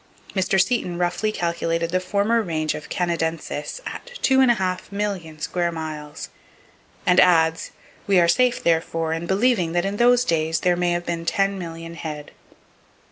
Mr. Seton [Page 165] roughly calculated the former range of canadensis at two and a half million square miles, and adds: "We are safe, therefore, in believing that in those days there may have been ten million head."